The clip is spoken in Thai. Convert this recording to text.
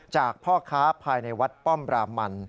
พ่อค้าภายในวัดป้อมรามัน